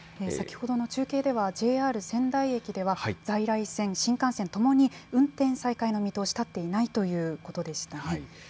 先ほどの中継ではＪＲ仙台駅では、在来線、新幹線ともに運転再開の見通しは立っていないということでした。